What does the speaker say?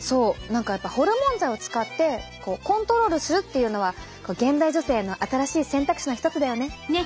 何かやっぱホルモン剤を使ってコントロールするっていうのは現代女性の新しい選択肢の一つだよね。ね！